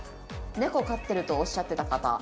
「猫飼ってるとおっしゃってた方」。